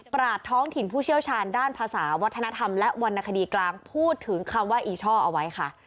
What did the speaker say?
ตราดท้องถิ่นผู้เชี่ยวชาญด้านภาษาวัฒนธรรมและวรรณคดีกลางพูดถึงคำว่าอีช่อเอาไว้ค่ะ